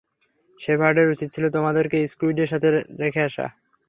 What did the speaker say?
শেফার্ডের উচিৎ ছিল তোমাদেরকে স্কুইডদের সাথে রেখে আসা।